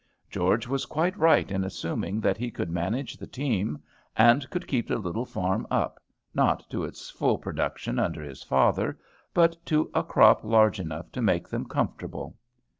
George was quite right in assuming that he could manage the team, and could keep the little farm up, not to its full production under his father, but to a crop large enough to make them comfortable.